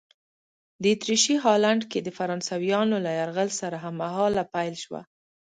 د اتریشي هالنډ کې د فرانسویانو له یرغل سره هممهاله پیل شوه.